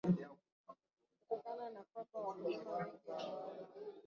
kutokana na kwamba wakulima wengi hawanaa